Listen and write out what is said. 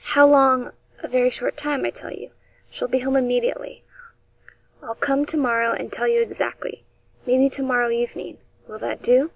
'How long a very short time, I tell you. She'll be home immediately. I'll come to morrow and tell you exactly maybe to morrow evening will that do?